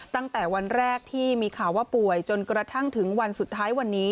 ตั้งแต่วันแรกที่มีข่าวว่าป่วยจนกระทั่งถึงวันสุดท้ายวันนี้